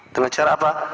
dengan cara apa